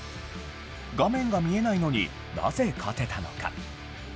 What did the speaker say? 画面が見えないのになぜ勝てたのか。